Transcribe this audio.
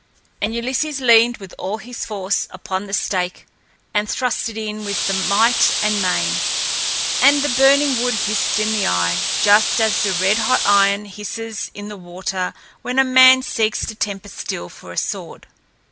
And Ulysses leaned with all his force upon the stake and thrust it in with might and main. And the burning wood hissed in the eye, just as the red hot iron hisses in the water when a man seeks to temper steel for a sword.